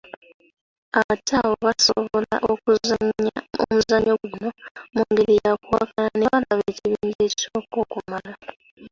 Abato abo basobola okuzannya omuzannyo guno mu ngeri ya kuwakana ne balaba ekibinja ekisooka okumala.